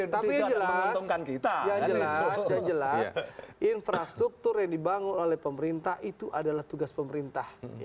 tapi yang jelas yang jelas infrastruktur yang dibangun oleh pemerintah itu adalah tugas pemerintah